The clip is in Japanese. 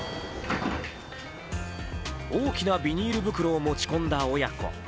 大きなビニール袋を持ち込んだ親子。